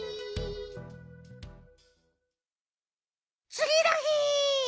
つぎのひ。